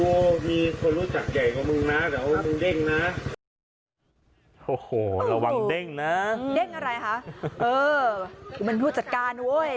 โอ้โหระวังเด้งนะเด้งอะไรคะมันพูดจัดการเว้ย